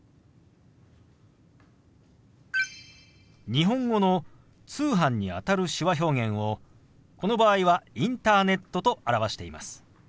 日本語の「通販」にあたる手話表現をこの場合は「インターネット」と表しています。